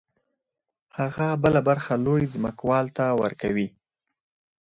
هغه بله برخه لوی ځمکوال ته ورکوي